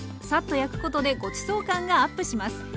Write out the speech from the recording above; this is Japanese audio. サッと焼くことでごちそう感がアップします。